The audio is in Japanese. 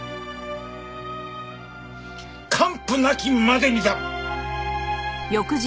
完膚なきまでにだ！